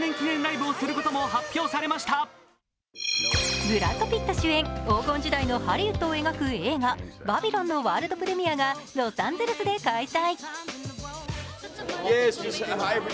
ブラッド・ピット主演黄金時代のハリウッドを描く映画「バビロン」のワールドプレミアがロサンゼルスで開催。